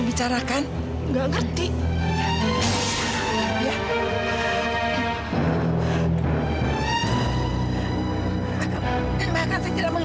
biasa dengan nari atau diri